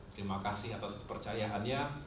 terima kasih atas kepercayaannya